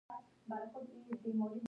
دا رنګينې معنی چېرې دي خوشحاله!